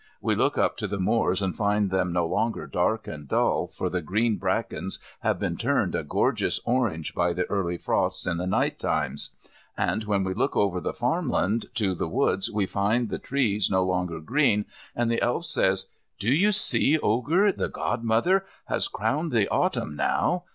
We look up to the moors and find them no longer dark and dull for the green brackens have been turned a gorgeous orange by the early frosts in the night times. And when we look over the farm land to the woods we find the trees no longer green, and the Elf says, "Do you see Ogre, the Godmother has crowned Autumn now?"